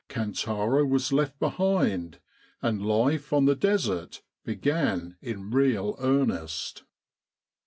Kantara was left behind, and life on the Desert began in real earnest.